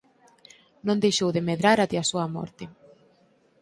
Non deixou de medrar até a súa morte.